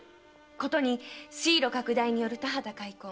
ことに水路拡大による田畑開墾